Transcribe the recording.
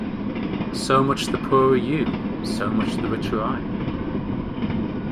So much the poorer you; so much the richer I!